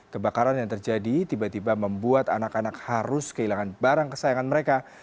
kebakaran yang terjadi tiba tiba membuat anak anak harus kehilangan barang kesayangan mereka